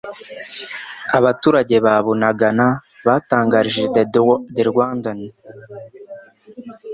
Abaturage ba Bunagana batangarije The Rwandan